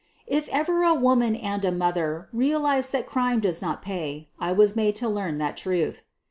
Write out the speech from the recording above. If ever a woman and a mother realized that crime does not pay, I was made to learn that truth.